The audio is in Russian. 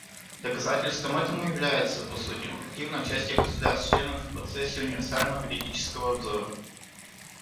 Доказательством этому является, по сути, активное участие государств-членов в процессе универсального периодического обзора.